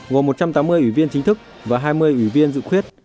gồm một trăm tám mươi ủy viên chính thức và hai mươi ủy viên dự khuyết